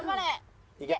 いけ！